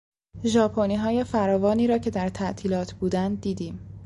ژاپنیهای فراوانی را که در تعطیلات بودند دیدیم.